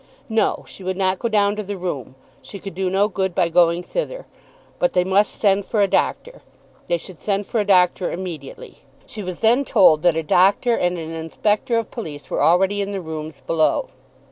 No; she would not go down to the room; she could do no good by going thither. But they must send for a doctor. They should send for a doctor immediately. She was then told that a doctor and an inspector of police were already in the rooms below.